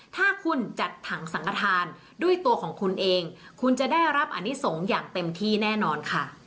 ถ้าคุณจัดถังสังกระทานด้วยตัวของคุณเองคุณจะได้รับอนิสงฆ์อย่างเต็มที่แน่นอนค่ะ